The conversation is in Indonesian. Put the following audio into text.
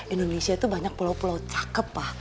indonesia itu banyak pulau pulau cakep lah